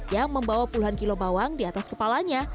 yang membawa puluhan kilo bawang di atas kepalanya